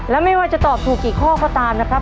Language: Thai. และไม่ว่าจะตอบถูกกี่ข้อก็ตามนะครับ